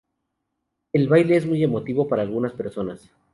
El baile es muy emotivo para algunas personas.